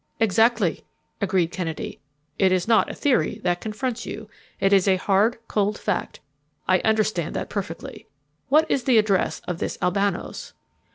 "Exactly," agreed Kennedy. "It is not a theory that confronts you. It is a hard, cold fact. I understand that perfectly. What is the address of this Albano's?"